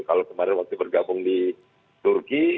kalau kemarin waktu bergabung di turki